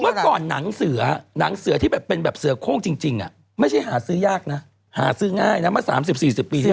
เมื่อก่อนหนังเสือหนังเสือที่แบบเป็นแบบเสือโค้งจริงไม่ใช่หาซื้อยากนะหาซื้อง่ายนะเมื่อ๓๐๔๐ปีที่แล้ว